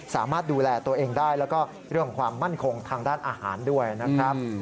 สามารถดูแลตัวเองได้แล้วก็เรื่องของความมั่นคงทางด้านอาหารด้วยนะครับ